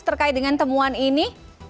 terkait dengan temuan ini